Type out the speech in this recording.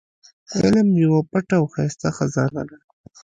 علم يوه پټه او ښايسته خزانه ده.